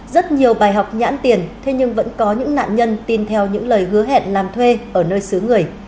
rất nhiều bài học nhãn tiền thế nhưng vẫn có những nạn nhân tin theo những lời hứa hẹn làm thuê ở nơi xứ người